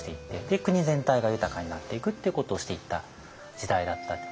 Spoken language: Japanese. で国全体が豊かになっていくっていうことをしていった時代だったと。